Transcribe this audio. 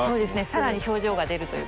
さらに表情が出るというか。